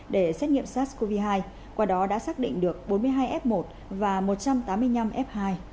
để xét nghiệm sars cov hai qua đó đã xác định được bốn mươi hai f một và một trăm tám mươi năm f hai